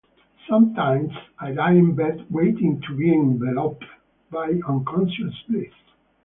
Sometimes, I lie in bed waiting to be enveloped by unconscious bliss.